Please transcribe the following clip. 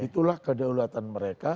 itulah kedaulatan mereka